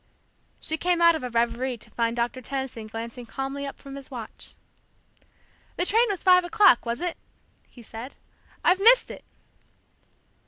She came out of a reverie to find Doctor Tenison glancing calmly up from his watch. "The train was five o'clock, was it?" he said. "I've missed it!"